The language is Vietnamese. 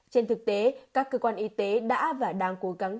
trên thực tế các cơ quan y tế đã và đang cố gắng